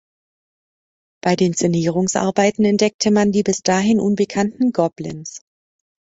Bei den Sanierungsarbeiten entdeckte man die bis dahin unbekannten Gobelins.